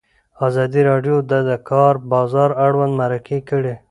ازادي راډیو د د کار بازار اړوند مرکې کړي.